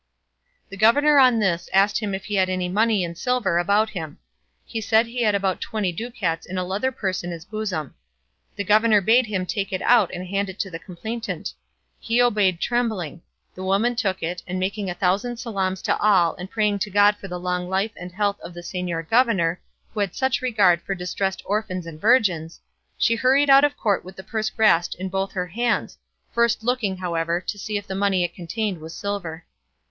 The governor on this asked him if he had any money in silver about him; he said he had about twenty ducats in a leather purse in his bosom. The governor bade him take it out and hand it to the complainant; he obeyed trembling; the woman took it, and making a thousand salaams to all and praying to God for the long life and health of the señor governor who had such regard for distressed orphans and virgins, she hurried out of court with the purse grasped in both her hands, first looking, however, to see if the money it contained was silver.